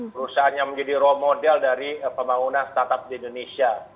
perusahaan yang menjadi role model dari pembangunan startup di indonesia